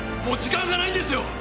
もう時間がないんですよ！